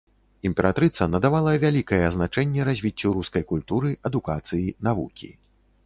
Імператрыца надавала вялікае значэнне развіццю рускай культуры, адукацыі, навукі.